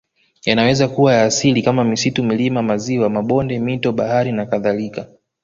Yanaweza kuwa ya asili kama misitu milima maziwa mabonde mito bahari nakadhalka